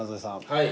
はい。